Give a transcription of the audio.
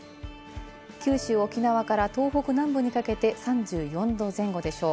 九州、沖縄から東北南部にかけて３４度前後でしょう。